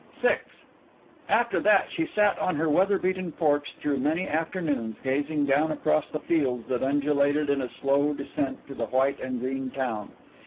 VI After that she sat on her weather beaten porch through many afternoons, gazing down across the fields that undulated in a slow descent to the white and green town.